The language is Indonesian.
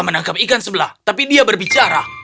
dia menggunakan ikan sebelah untuk berbicara